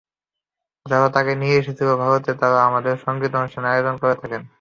যাঁরা তাঁকে নিয়ে এসেছিলেন, ভারতে তাঁরা আমার সংগীতানুষ্ঠান আয়োজন করে থাকেন।